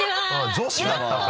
女子だったか。